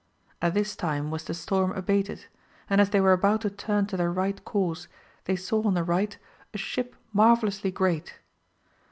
At this time was the storm abated, and as they were about to turn to their right course, they saw on the right a ship marvellously great.